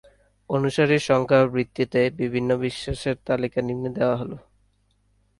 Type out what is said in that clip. অনুসারীর সংখ্যার ভিত্তিতে বিভিন্ন বিশ্বাসের তালিকা নিম্নে দেয়া হল।